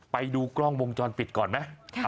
ไปดูกล้องวงจรปิดก่อนไหม